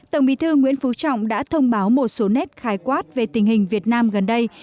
tổng bí thư nguyễn phú trọng đã thông báo một số nét khái quát về tình hình việt nam gần đây